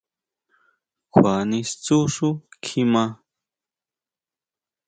¿Kjua nistsjú xú kjimá?